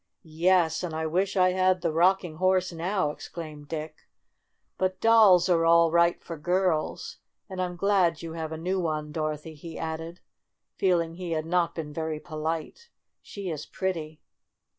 "Yes, and I wish I had the Rocking Horse now !'' exclaimed Dick. "But dolls are all right for girls, and I'm glad you have a new one, Dorothy," he added, feel ing he had not been very polite. "She is pretty."